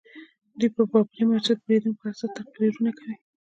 دوی پر بابري مسجد د بریدونو په اساس تقریرونه کوي.